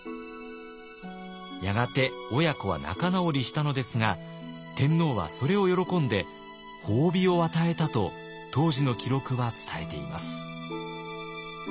やがて親子は仲直りしたのですが天皇はそれを喜んで褒美を与えたと当時の記録は伝えています。